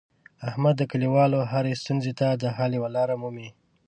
احمد د کلیوالو هرې ستونزې ته د حل یوه لاره مومي.